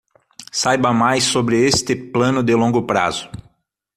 Saiba mais sobre este plano de longo prazo